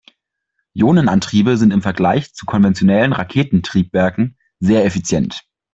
Ionenantriebe sind im Vergleich zu konventionellen Raketentriebwerken sehr effizient.